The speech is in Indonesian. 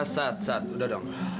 sat sat udah dong